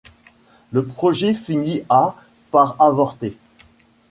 Le projet finit a-par avorter.